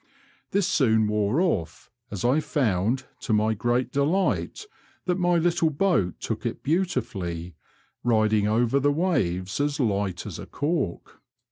This soon wore off, as I found, to my great delight,, that my Httle boat took it beautifully, ridmg over the waves as light as a cork.